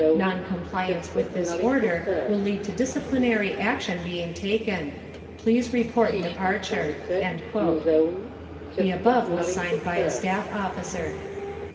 Non compliance with this order will lead to disciplinary action being taken. Please report departure." The above was signed by a Staff Officer.